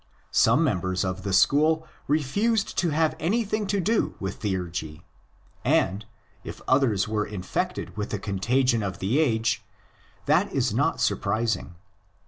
Some members of the school refused to have anything to do with theurgy; and, if others were infected with the contagion of the age, that is not surprising.